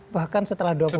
bahkan setelah dua puluh satu